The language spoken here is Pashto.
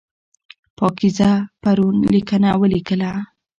پاکیزه پرون لیکنه ولیکله.